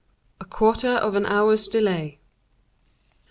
A Quarter of an Hour's Delay.